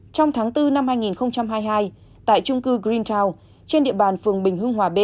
trong tháng bốn năm hai nghìn hai mươi hai tại trung cư greentiunt trên địa bàn phường bình hưng hòa b